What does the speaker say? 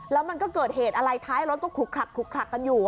แล้วมันก็เกิดเหตุอะไรท้ายรถก็ขลุกขลักกันอยู่